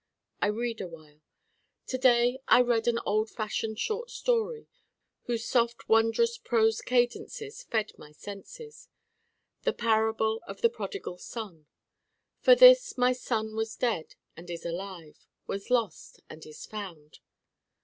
I read awhile. To day I read an old fashioned short story whose soft wondrous prose cadences fed my senses the Parable of the Prodigal Son. for this my son was dead and is alive was lost and is found